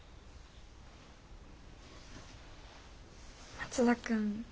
松田君